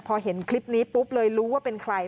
พอเห็นคลิปนี้ปุ๊บเลยรู้ว่าเป็นใคร